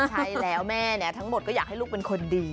ใช่แล้วแม่ทั้งหมดก็อยากให้ลูกเป็นคนดี